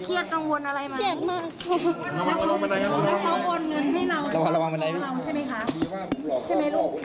เขาขอลองขอที่นี่เราอยู่ไงใช่เหรอ